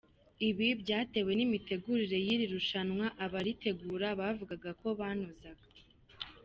Ibi byatewe n’imitegurire y’iri rushanwa, abaritegura bavuga ko banozaga.